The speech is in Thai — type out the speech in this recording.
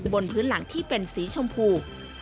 บนพื้นหลังที่เป็นสีชมพู